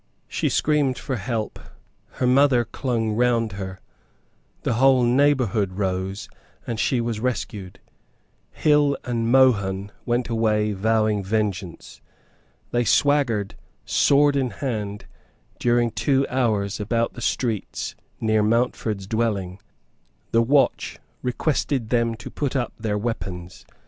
She screamed for help; her mother clung round her; the whole neighbourhood rose; and she was rescued. Hill and Mohun went away vowing vengeance. They swaggered sword in hand during two hours about the streets near Mountford's dwelling. The watch requested them to put up their weapons.